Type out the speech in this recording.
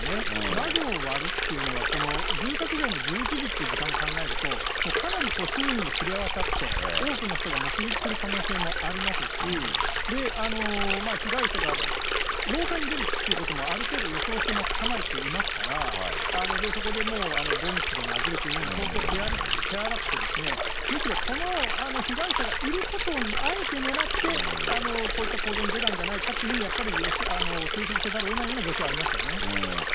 窓を割るっていうのは、この住宅街の１１時っていう時間考えると、かなり周囲にも知れ渡って、多くの人が目撃する可能性もありますし、被害者が廊下に出るってこともある程度予想して待ち構えていますから、そこでもう鈍器で殴るというのも相当手荒くて、むしろ、この被害者がいることをあえて狙って、こういった行動に出たんじゃないかというふうに、やっぱり推測せざるをえないような状況はありますよね。